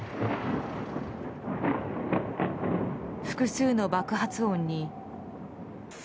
複数の爆発音に。